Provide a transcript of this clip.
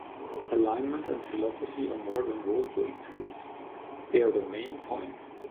Alignment and philosophy are more than roleplaying tools -- they're the main point.